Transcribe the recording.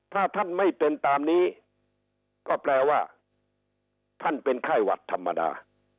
ถ้าท่านไม่เป็นตามนี้ก็แปลว่าท่านเป็นไข้หวัดธรรมดา